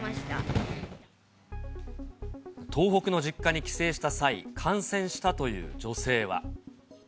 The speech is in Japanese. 東北の実家に帰省した際、感染したという女性は。